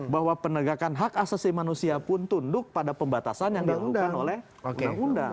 bahwa penegakan hak asasi manusia pun tunduk pada pembatasan yang dilakukan oleh undang undang